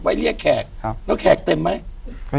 อยู่ที่แม่ศรีวิรัยิลครับ